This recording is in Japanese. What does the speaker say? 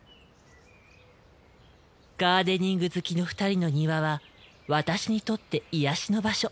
ガーデニング好きの２人の庭は私にとって癒やしの場所。